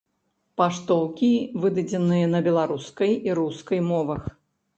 Паштоўкі выдадзеныя на беларускай і рускай мовах.